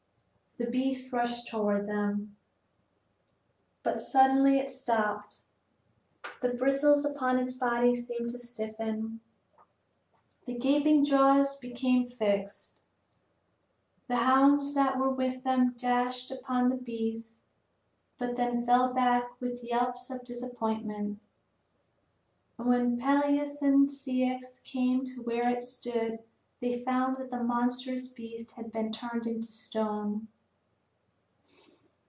The beast rushed toward them; but suddenly it stopped. The bristles upon its body seemed to stiffen. The gaping jaws became fixed. The hounds that were with them dashed upon the beast, but then fell back with yelps of disappointment. And when Peleus and Ceyx came to where it stood they found that the monstrous beast had been turned into stone.